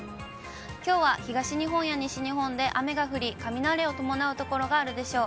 きょうは東日本や西日本で雨が降り、雷を伴う所があるでしょう。